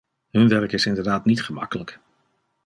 Hun werk is inderdaad niet gemakkelijk.